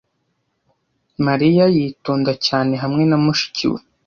Mariya yitonda cyane hamwe na mushiki we.